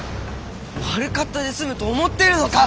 悪かったで済むと思ってるのか！